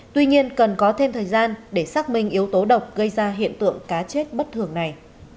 tuy nhiên cần có thêm thời gian để xác minh yếu tố độc gây ra hiện tượng cá chết bất thường này